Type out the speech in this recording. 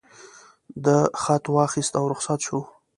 ده خط واخیست او رخصت شو.